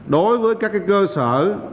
đối với các cơ sở